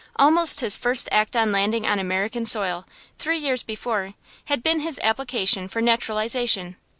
Almost his first act on landing on American soil, three years before, had been his application for naturalization.